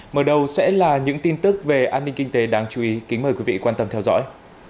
mở đầu sẽ là những tin tức về an ninh kinh tế đáng chú ý kính mời quý vị quan tâm theo dõi